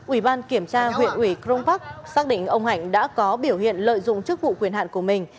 ủy ban kiểm tra huyện ủy crong park xác định ông hạnh đã có biểu hiện lợi dụng chức vụ quyền hạn của mình